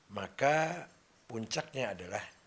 maka puncaknya adalah hidup